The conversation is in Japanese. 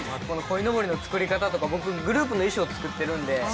この鯉のぼりの作り方とか僕グループの衣装作ってるので。